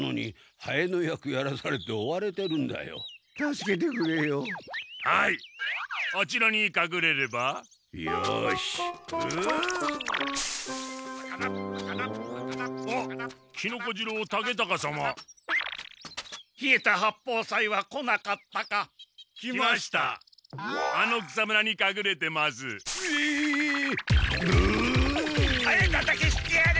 ハエたたきしてやる！